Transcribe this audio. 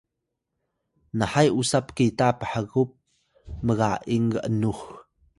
nahay usa pkita pkhgup mga’ing g’nux